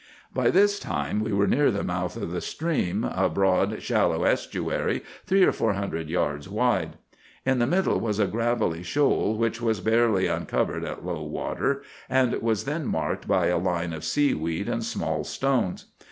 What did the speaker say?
"By this time we were near the mouth of the stream, a broad, shallow estuary three or four hundred yards wide. In the middle was a gravelly shoal which was barely uncovered at low water, and was then marked by a line of seaweed and small stones.